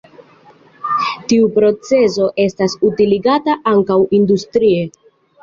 Tiu procezo estas utiligata ankaŭ industrie.